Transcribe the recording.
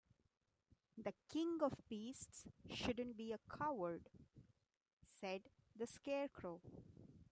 "The King of Beasts shouldn't be a coward," said the Scarecrow.